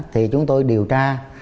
thì chúng tôi điều tra